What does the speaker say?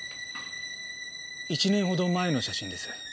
１年ほど前の写真です。